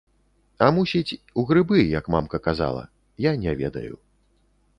А мусіць, у грыбы, як мамка казала, я не ведаю.